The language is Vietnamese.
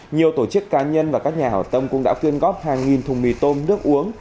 nhiều tổ chức cá nhân và các nhà hảo tâm cũng đã quyên góp hàng nghìn thùng mì tôm nước uống